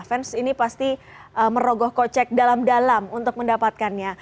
fans ini pasti merogoh kocek dalam dalam untuk mendapatkannya